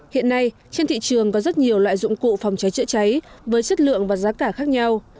hiện nay trên thị trường có rất nhiều loại dụng cụ phòng cháy chữa cháy với chất lượng và giá cả khác nhau